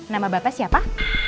nama bapak siapa